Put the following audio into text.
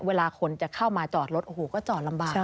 เวลาคนจะเข้ามาจอดรถโอ้โหก็จอดลำบาก